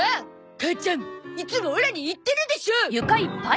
母ちゃんいつもオラに言ってるでしょ！